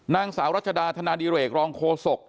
นางสาวรัชดาธนาดิเรกรองโคศก